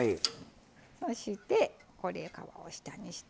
そして皮を下にして。